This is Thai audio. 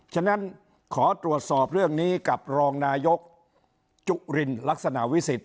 ฉะนั้นขอตรวจสอบเรื่องนี้กับรองนายกจุลินลักษณะวิสิทธ